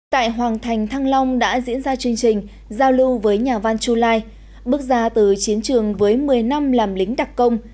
tại hoàng thành thăng long đã diễn ra chương trình giao lưu với nhà văn chu lai bước ra từ chiến trường với một mươi năm làm lính đặc công